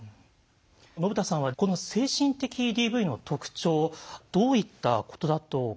信田さんはこの精神的ＤＶの特徴どういったことだとお考えになってますか？